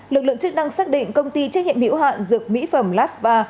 lực lượng chức năng xác định công ty trách nhiệm hiệu hạn dược mỹ phẩm laspa